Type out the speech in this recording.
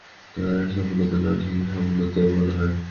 না, সফলতাকে আসলে সফলতাই বলা হয়।